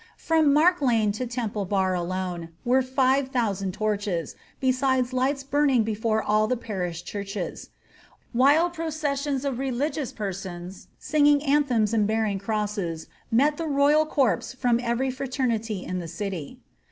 From Mark lane to Temple bar alone, were 5000 torches, besides lights burning before all the parish churches; while processions of religious persons singing anthems and bearing crosses met the royal corpse from every fraternity in the city.''